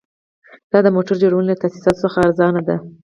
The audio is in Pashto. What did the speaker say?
دا د موټر جوړونې له تاسیساتو څخه ارزانه دي